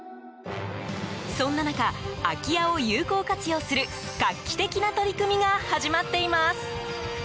そんな中、空き家を有効活用する画期的な取り組みが始まっています。